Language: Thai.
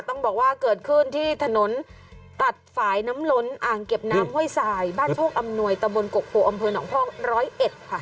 ต้องบอกว่าเกิดขึ้นที่ถนนตัดฝ่ายน้ำล้นอ่างเก็บน้ำห้วยสายบ้านโชคอำนวยตะบนกกโพอำเภอหนองพองร้อยเอ็ดค่ะ